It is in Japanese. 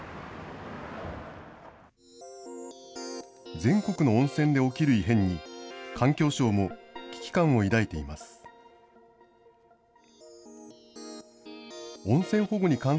全国の温泉で起きる異変に、環境省も危機感を抱いています。